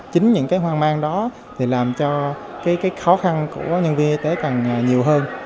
chính những cái hoang mang đó thì làm cho cái khó khăn của nhân viên y tế càng nhiều hơn